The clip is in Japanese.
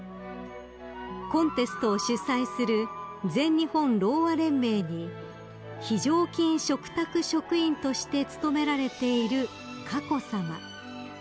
［コンテストを主催する全日本ろうあ連盟に非常勤嘱託職員として勤められている佳子さま］